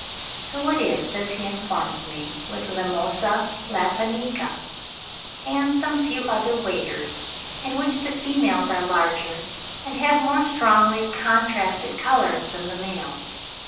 So it is, as he informs me, with Limosa lapponica and some few other Waders, in which the females are larger and have more strongly contrasted colours than the males.)